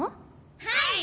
はい！